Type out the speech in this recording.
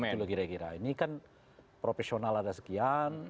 kira kira ini kan profesional ada sekian